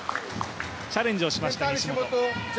チャレンジをしました、西本。